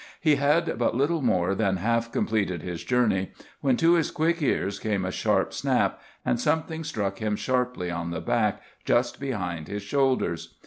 He had but little more than half completed his journey, when to his quick ears came a sharp snap, and something struck him sharply on the back just behind his shoulders.